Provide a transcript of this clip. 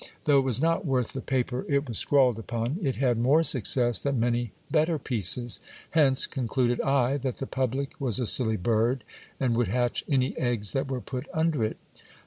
Though it was not worth the paper it was scrawled upon, it had more success than many bet ter pieces. Hence concluded I that the public was a silly bird, and would hatch any eggs that were put under it.